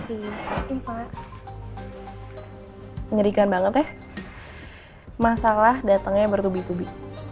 ini pak menyerikan banget ya masalah datangnya bertubi tubi